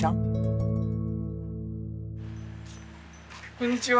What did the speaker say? こんにちは。